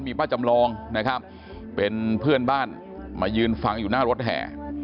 ป้าจำลองนะครับเป็นเพื่อนบ้านมายืนฟังอยู่หน้ารถแห่